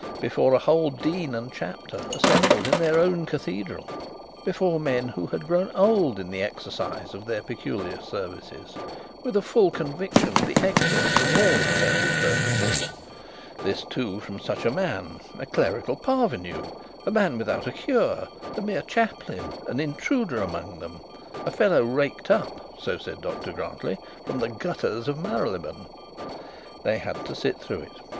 Before a whole dean and chapter assembled in their own cathedral! Before men who had grown old in the exercise of their peculiar services, with a full conviction of their excellence for all intended purposes! This too from such a man, a clerical parvenu, a man without a cure, a mere chaplain, an intruder among them; a fellow raked up, so said Dr Grantly, from the gutters of Marylebone! They had to sit through it!